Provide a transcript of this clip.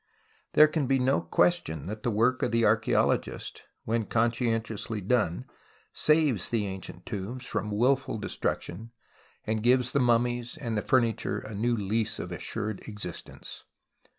There can be no question that the work of the archfuologist when conscientiously done saves the ancient tombs from wilful destruction and gives the mummies and the furniture a new lease of assured existence.